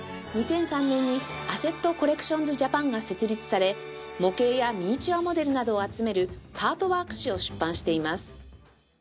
２００３年にアシェット・コレクションズ・ジャパンが設立され模型やミニチュアモデルなどを集める「パートワーク誌」を出版しています